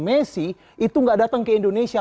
messi itu gak datang ke indonesia